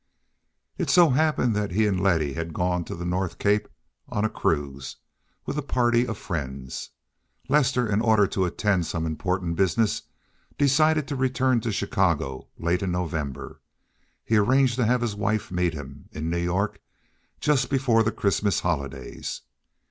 It so happened that he and Letty had gone to the North Cape on a cruise with a party of friends. Lester, in order to attend to some important business, decided to return to Chicago late in November; he arranged to have his wife meet him in New York just before the Christmas holidays.